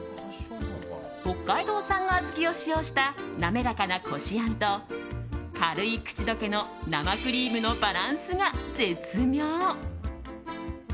北海道産のあずきを使用した滑らかなこしあんと軽い口溶けの生クリームのバランスが絶妙。